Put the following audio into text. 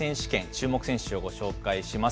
注目選手をご紹介します。